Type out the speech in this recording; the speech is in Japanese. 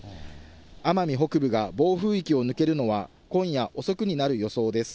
奄美北部が暴風域を抜けるのは、今夜遅くになる予想です。